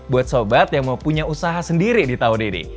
buat sobat yang mau punya usaha sendiri di tahun ini